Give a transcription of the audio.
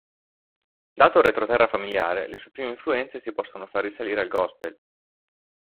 Dato il retroterra familiare, le sue prime influenze si possono fare risalire al gospel.